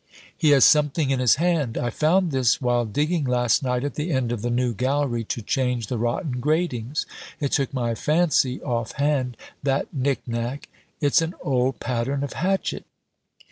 He has something in his hand. "I found this while digging last night at the end of the new gallery to change the rotten gratings. It took my fancy off hand, that knick knack. It's an old pattern of hatchet."